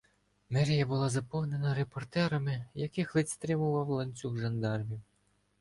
Мерія була заповнена репортерами, яких ледь стримував ланцюг жандармів.